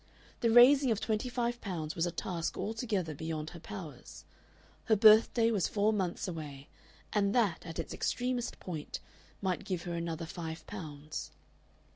The raising of twenty five pounds was a task altogether beyond her powers. Her birthday was four months away, and that, at its extremist point, might give her another five pounds.